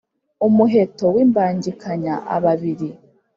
umuheto w’imbangikanya ababili,